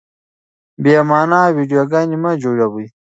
بې مانا ويډيوګانې مه جوړوئ.